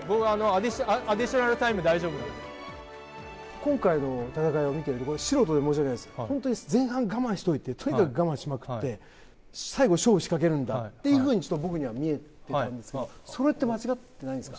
今回の戦いを見ていて、素人で申し訳ないんですが、本当に前半我慢しておいてとにかく我慢し続けて後半に勝負を仕掛けるんだというふうに僕には見えたんですけどそれって間違ってないんですか？